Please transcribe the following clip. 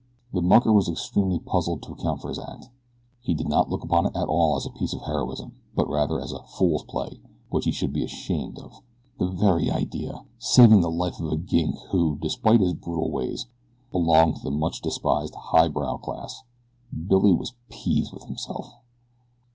The mucker was extremely puzzled to account for his act. He did not look upon it at all as a piece of heroism; but rather as a "fool play" which he should be ashamed of. The very idea! Saving the life of a gink who, despite his brutal ways, belonged to the much despised "highbrow" class. Billy was peeved with himself.